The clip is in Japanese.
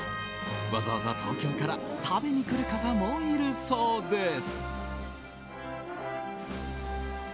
わざわざ東京から食べに来る方もいるそうです。